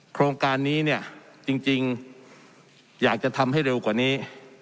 โครงการนี้เนี่ยจริงอยากจะทำให้เร็วกว่านี้